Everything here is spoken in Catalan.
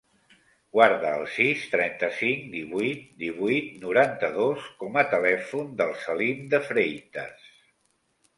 Guarda el sis, trenta-cinc, divuit, divuit, noranta-dos com a telèfon del Salim De Freitas.